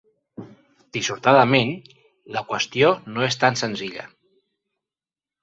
Dissortadament, la qüestió no és tan senzilla.